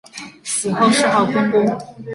死后谥号恭公。